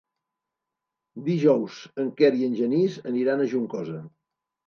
Dijous en Quer i en Genís aniran a Juncosa.